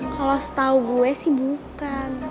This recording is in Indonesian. kalau setahu gue sih bukan